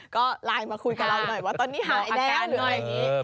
ก็ไลน์มาคุยกับเราหน่อยว่าตอนนี้หายแล้วหรืออะไรอย่างนี้